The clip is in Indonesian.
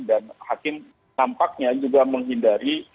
dan hakim tampaknya juga menghindari